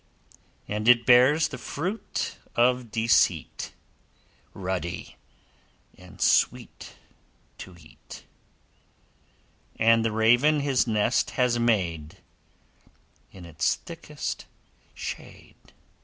And it bears the fruit of Deceit, Ruddy and sweet to eat, And the raven his nest has made In its thickest shade.